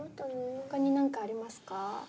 他に何かありますか？